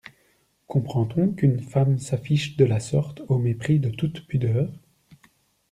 Comprend-on qu’une femme s’affiche de la sorte au mépris de toute pudeur…